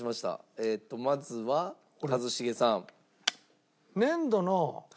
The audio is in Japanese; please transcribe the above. えっとまずは一茂さん。